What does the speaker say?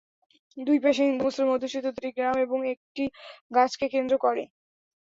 দুই পাশে হিন্দু-মুসলিম অধ্যুষিত দুটি গ্রাম এবং একটি গাছকে কেন্দ্র করে।